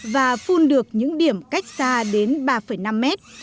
và phun được những điểm cách xa đến ba năm mét